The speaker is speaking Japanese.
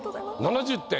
７０点。